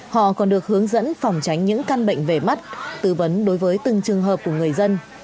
họ còn được hướng dẫn phòng tránh những căn bệnh về mắt tư vấn đối với từng trường hợp của người dân